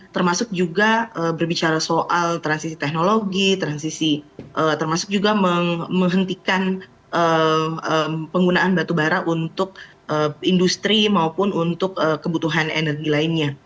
termasuk juga berbicara soal transisi teknologi transisi termasuk juga menghentikan penggunaan batu bara untuk industri maupun untuk kebutuhan energi lainnya